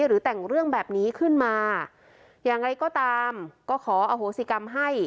หรือแต่งเรื่องแบบนี้ขึ้นมาอย่างไรก็ตามก็ขออโหสิกรรมให้